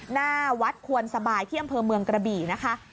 หน้าวัดควนสบายที่อำเภอเมืองกระบี่นะคะ